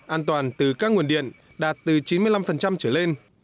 an toàn từ các nguồn điện đạt từ chín mươi năm trở lên